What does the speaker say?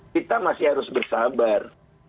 kita masih harus bersabar